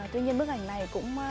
tuy nhiên bức ảnh này cũng